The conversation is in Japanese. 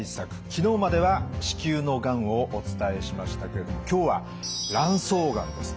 昨日までは子宮のがんをお伝えしましたけれども今日は卵巣がんです。